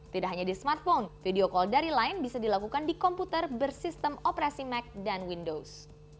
tidak hanya di smartphone video call dari lain bisa dilakukan di komputer bersistem operasi mac dan windows